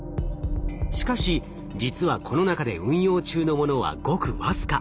しかし実はこの中で運用中のものはごく僅か。